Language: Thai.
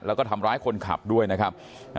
แล้วก็ทำร้ายคนขับด้วยนะครับ